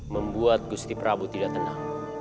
membuat gusti prabu tidak tenang